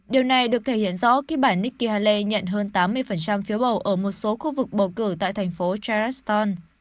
điều này được thể hiện rõ khi bản nikki haley nhận hơn tám mươi phiếu bầu ở một số khu vực bầu cử tại thành phố chaston